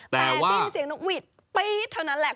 แต่สิ้นเสียงนกหวีดปี๊ดเท่านั้นแหละ